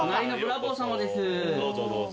どうぞどうぞ。